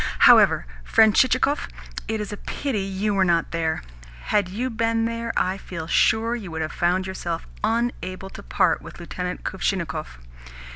However, friend Chichikov, it is a pity you were not there. Had you been there, I feel sure you would have found yourself unable to part with Lieutenant Kuvshinnikov.